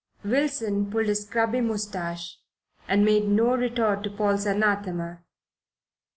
Wilson pulled his scrubby moustache and made no retort to Paul's anathema.